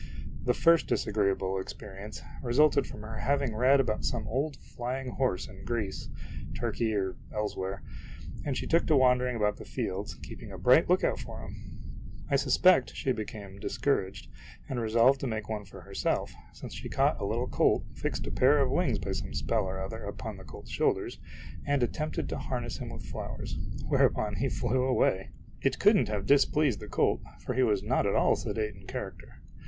The first disagreeable experi ence resulted from her having read about some old fly ing horse in Greece, Turkey, or elsewhere, and she took to wandering about the fields keeping a bright lookout for him ! I suspect she became discouraged, and re solved to make one for herself, since she caught a little colt, fixed a pair of wings by some spell or other upon the colt's shoulders, and attempted to harness him with flowers ; whereupon he flew away ! It could n't MY NIECE'S EXPERIMENT IN MAGIC. THE ASTROLOGER'S NIECE 87 have displeased the colt, for he was not at all sedate in character.